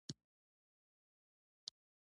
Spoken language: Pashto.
زه حمام کوم